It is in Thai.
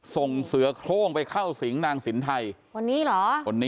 ส่งเสือโครงไปเข้าสิงค์นางสินไทย